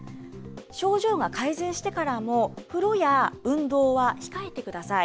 症状が改善してからも、風呂や運動は控えてください。